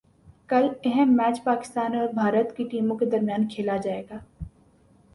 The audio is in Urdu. کل اہم میچ پاکستان اور بھارت کی ٹیموں کے درمیان کھیلا جائے گا